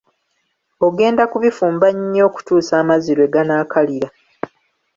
Ogenda kubifumba nnyo okutuusa amazzi lwe ganaakalira.